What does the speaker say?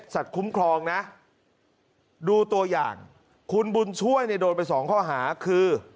คุ้มครองนะดูตัวอย่างคุณบุญช่วยเนี่ยโดนไปสองข้อหาคือ